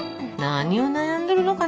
何を悩んでるのかね。